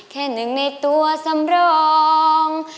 แค่หนึ่งในตัวสำรอง